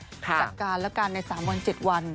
จัดการแล้วกันใน๓วัน๗วัน